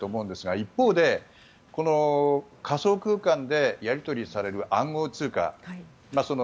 一方で仮想空間でやり取りされる暗号通貨